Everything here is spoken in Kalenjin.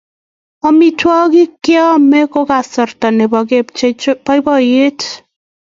Amitwogikap koimen ko kasarta nebo kepchei boiboiyet